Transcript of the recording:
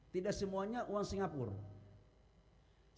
tidak semuanya uang singapura